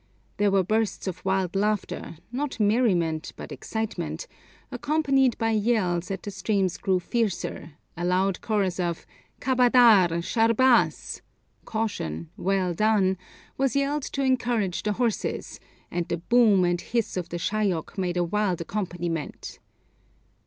There were bursts of wild laughter, not merriment but excitement, accompanied by yells as the streams grew fiercer, a loud chorus of Kabadar! Sharbaz! ('Caution!' 'Well done!') was yelled to encourage the horses, and the boom and hiss of the Shayok made a wild accompaniment.